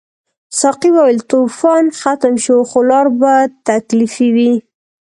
ساقي وویل طوفان ختم شو خو لار به تکلیفي وي.